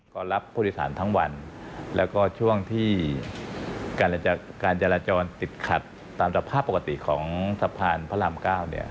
ก็รับพุทธศาลทั้งวันและก็ช่วงที่การจราจรติดขัดตามสภาพปกติของสะพานพระรามเก้า